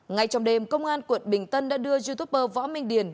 ngay trong đêm công an quận bình tân đã đưa youtuber võ minh điền